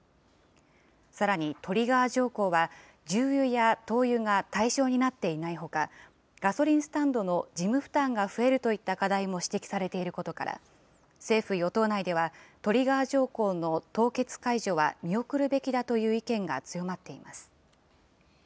さらに、トリガー条項は、重油や灯油が対象になっていないほか、ガソリンスタンドの事務負担が増えるといった課題も指摘されていることから、政府・与党内では、トリガー条項の凍結解除は見送るべきだという意見が強まっています。